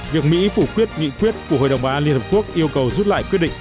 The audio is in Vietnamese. việc mỹ phủ quyết nghị quyết của hội đồng bảo an liên hợp quốc yêu cầu rút lại quyết định